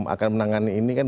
akan menangani ini kan